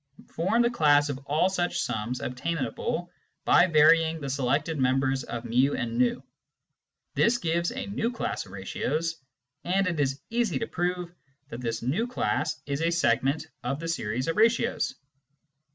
Form the class of all such sums obtainable by varying the selected members of ju. and v. This gives a new class of ratios, and it is easy to prove that this new class is a segment of the series of ratios.